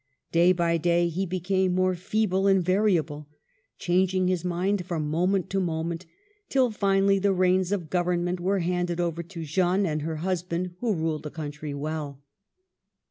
Day by day he became more feeble and variable, changing his mind from moment to moment, till finally the reins of government were handed over to Jeanne and her husband, who ruled the country well.